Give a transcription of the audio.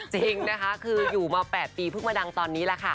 จริงนะคะคืออยู่มา๘ปีเพิ่งมาดังตอนนี้แหละค่ะ